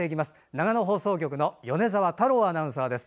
長野放送局の米澤太郎アナウンサーです。